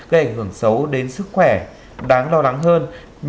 gây ảnh hưởng xấu đến sức khỏe đáng lo lắng hơn